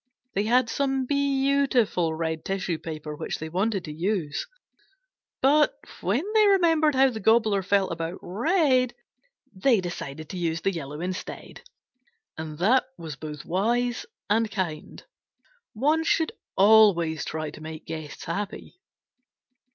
They had some beautiful red tissue paper which they wanted to use, but when they remembered how the Gobbler felt about red, they decided to use the yellow instead. And that was both wise and kind. One should always try to make guests happy.